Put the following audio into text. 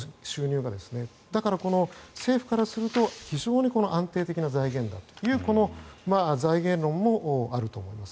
だから、政府からすると非常に安定的な財源だという財源論もあると思います。